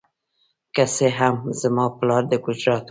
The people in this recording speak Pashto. که څه هم زما پلار د ګجرات و.